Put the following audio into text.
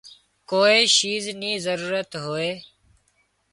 ڪوئي شيِز نِي ضرورت هوئي